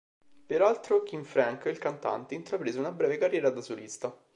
Peraltro Kim Frank, il cantante, intraprese una breve carriera da solista.